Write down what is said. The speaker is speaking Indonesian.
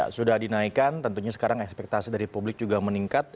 sudah dinaikkan tentunya sekarang ekspektasi dari publik juga meningkat